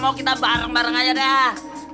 lepas itu beraninya nggak jalan mon